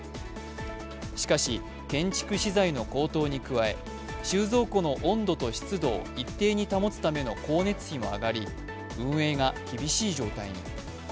しかし建築資材の高騰に加え収蔵庫の温度と湿度を一定に保つための光熱費も上がり、運営が厳しい状態に。